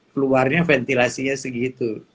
keluarnya ventilasinya segitu